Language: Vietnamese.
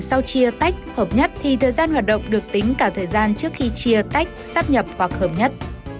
sau chia tách hợp nhất thì thời gian hoạt động được tính cả thời gian trước khi chia tách sắp nhập hoặc hợp nhất